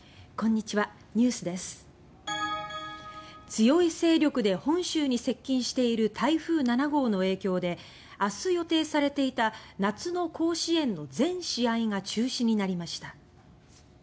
強い勢力で本州に接近している台風７号の影響で明日予定されていた夏の甲子園の全試合が中止になりました。